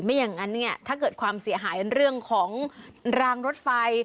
อย่างนั้นเนี่ยถ้าเกิดความเสียหายเรื่องของรางรถไฟ